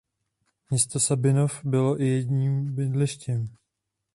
Město Sabinov bylo i jejím bydlištěm.